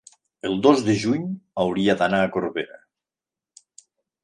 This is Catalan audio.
El dos de juny hauria d'anar a Corbera.